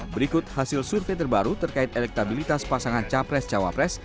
berikut hasil survei terbaru terkait elektabilitas pasangan capres cawapres